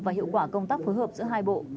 và hiệu quả công tác phối hợp giữa hai bộ